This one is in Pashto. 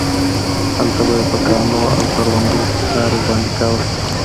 هلته به یې په کانونو او کروندو کې کار ورباندې کاوه.